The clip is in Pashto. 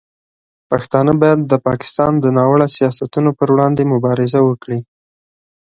پښتانه باید د پاکستان د ناوړه سیاستونو پر وړاندې مبارزه وکړي.